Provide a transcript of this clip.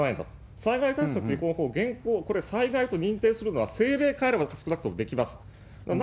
災害対策基本法、現行、これ災害と認定するのは、政令変えれば少なくともできます。